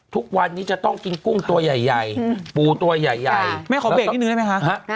ทุกวันนี้จะต้องกินกุ้งตัวใหญ่ใหญ่ปูตัวใหญ่ไม่ขอเบรกนิดนึงได้ไหมคะ